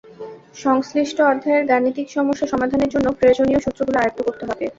সংশ্লিষ্ট অধ্যায়ের গাণিতিক সমস্যা সমাধানের জন্য প্রয়োজনীয় সূত্রগুলো আয়ত্ত করতে হবে।